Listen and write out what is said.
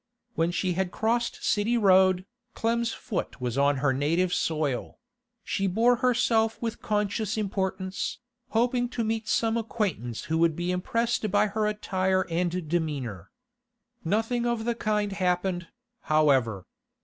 When she had crossed City Road, Clem's foot was on her native soil; she bore herself with conscious importance, hoping to meet some acquaintance who would be impressed by her attire and demeanour. Nothing of the kind happened, however.